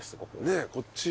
ねっこっち。